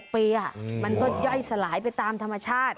ปีมันก็ย่อยสลายไปตามธรรมชาติ